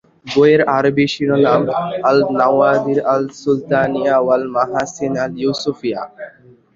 বইয়ের আরবি শিরোনাম "আল-নাওয়াদির আল-সুলতানিয়া ওয়াল-মাহাসিন আল-ইউসুফিয়া"।